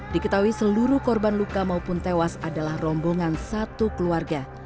diketahui seluruh korban luka maupun tewas adalah rombongan satu keluarga